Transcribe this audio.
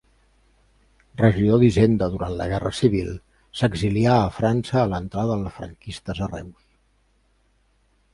Regidor d'hisenda durant la guerra civil, s'exilià a França a l'entrada dels franquistes a Reus.